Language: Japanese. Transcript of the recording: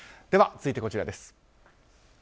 では、続いてこちらです。